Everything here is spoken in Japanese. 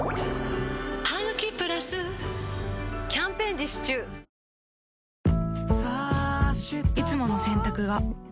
「ハグキプラス」キャンペーン実施中いつもの洗濯が